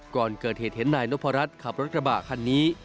ก่อนเกิดเหตุเห็นนายนพรัชขับรถกระบะคันนี้